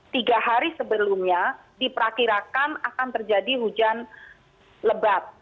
tiga hari sebelumnya diperkirakan akan terjadi hujan lebat